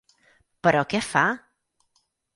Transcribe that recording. Però què fa?